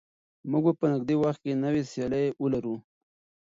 موږ به په نږدې وخت کې نوې سیالۍ ولرو.